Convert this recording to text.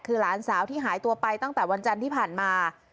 คือหลานสาวที่หายตัวไปตั้งแต่วันจันทร์ที่ผ่านมา